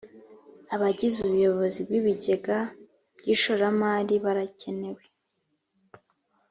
abagize ubuyobozi bw ibigega by ishoramari barakenewe